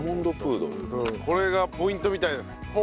これがポイントみたいです。